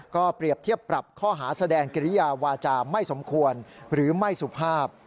ก็เปรียบเทียบปรับข้อหาแสดงกิริยาวาจาไม่สมควรหรือไม่สุภาพ